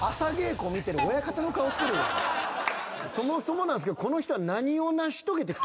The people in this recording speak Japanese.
そもそもなんすけどこの人は。